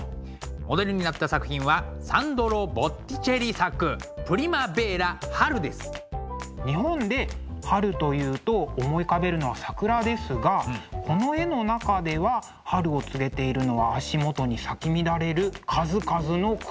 モデルになった作品は日本で春というと思い浮かべるのは桜ですがこの絵の中では春を告げているのは足元に咲き乱れる数々の草花。